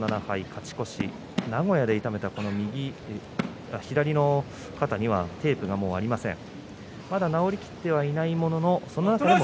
勝ち越し名古屋で痛めた左の肩にはテープはもうありません。